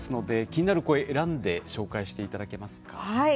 気になる声、選んで紹介していただけますか。